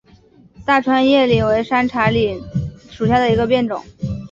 大叶川柃为山茶科柃木属下的一个变种。